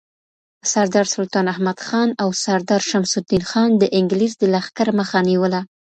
سردار سلطان احمدخان او سردار شمس الدین خان د انگلیس د لښکر مخه نیوله.